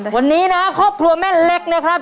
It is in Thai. วันนี้นะครับครอบครัวแม่เล็กนะครับ